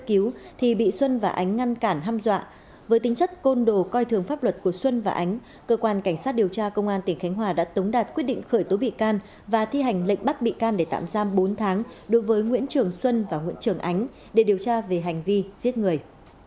cứu thì bị xuân và ánh ngăn cản hâm dọa với tính chất côn đồ coi thường pháp luật của xuân và ánh cơ quan cảnh sát điều tra công an tỉnh khánh hòa đã tống đạt quyết định khởi tố bị can và thi hành lệnh bắt bị can để tạm giam bốn tháng đối với nguyễn trường xuân và nguyễn trường ánh để điều tra về hành vi giết người